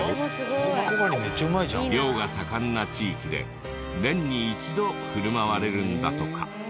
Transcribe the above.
漁が盛んな地域で年に一度振る舞われるんだとか。